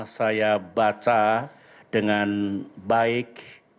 saya baca dengan baik